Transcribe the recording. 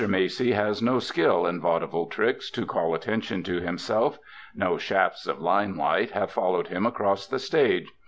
Macy has no skill in vaudeville tricks to call attention to himself: no shafts of limelight have followed him across the stage.